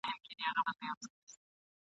که يوسف عليه السلام ورسره ملګری هم کړي.